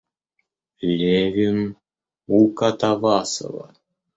Левин у Катавасова.